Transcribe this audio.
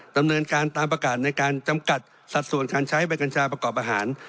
ดำเนินการตามประกาศในการจำกัดสัดส่วนการใช้ใบกัญชาประกอบอาหาร